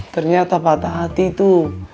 ternyata patah hati itu